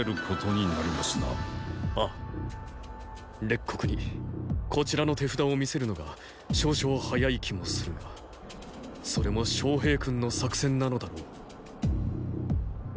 列国にこちらの手札を見せるのが少々早い気もするがそれも昌平君の作戦なのだろう。